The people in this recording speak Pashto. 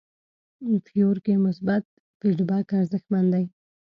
فیور کې مثبت فیډبک ارزښتمن دی.